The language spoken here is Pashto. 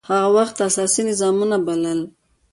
هغه وخت يي اساسي نظامنامه بلله.